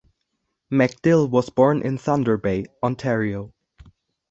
McDill was born in Thunder Bay, Ontario.